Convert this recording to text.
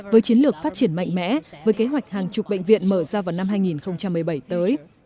với chiến lược phát triển mạnh mẽ với kế hoạch hàng chục bệnh viện mở ra vào năm hai nghìn một mươi bảy tới